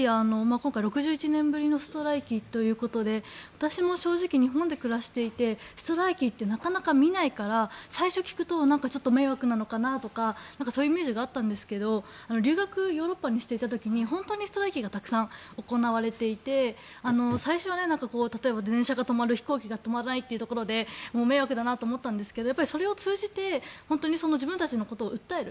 今回、６１年ぶりのストライキということで私も正直、日本で暮らしていてストライキってなかなか見ないから最初聞くと迷惑なのかなとかそういうイメージがあったんですが留学をヨーロッパでしていた時に本当にストライキがたくさん行われていて最初は電車が止まる飛行機が飛ばないっていうところで迷惑だなと思ったんですがそれを通じて自分たちのことを訴える。